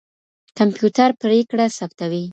کمپيوټر پرېکړه ثبتوي.